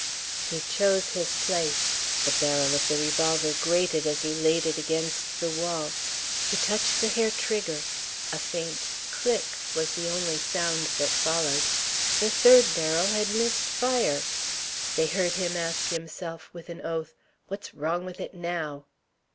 He chose his place. The barrel of the revolver grated as he laid it against the wall. He touched the hair trigger. A faint click was the only sound that followed. The third barrel had missed fire. They heard him ask himself, with an oath, "What's wrong with it now?"